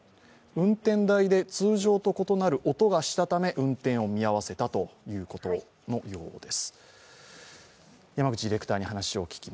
運転台で通常と異なる音がしたため運転を見合わせたということのようです。